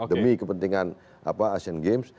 demi kepentingan asian games